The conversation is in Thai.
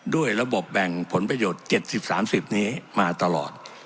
ด้วยระบบแบ่งผลประโยชน์๗๐๓๐นี้มาตลอด